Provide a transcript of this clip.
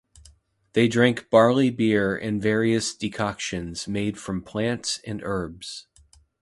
They drank barley beer and various decoctions made from plants and herbs.